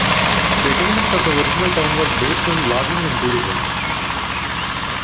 The economics of the original town was based on logging and tourism.